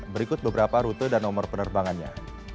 berikut beberapa rute dan nomor penerbangannya